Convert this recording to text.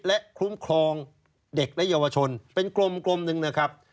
และคุ้มครองเด็กและเยาวชนเป็นกลมหนึ่งนะครับ